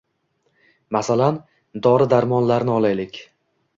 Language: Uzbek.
Masalan, dori-darmonlarni olaylik.